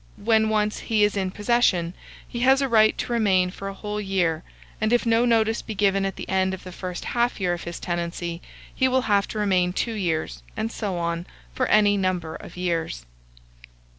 When once he is in possession, he has a right to remain for a whole year; and if no notice be given at the end of the first half year of his tenancy, he will have to remain two years, and so on for any number of years.